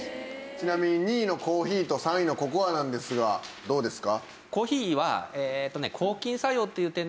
ちなみに２位のコーヒーと３位のココアなんですがどうですか？